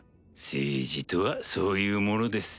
政治とはそういうものです。